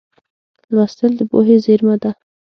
لوستل د پوهې زېرمه ده.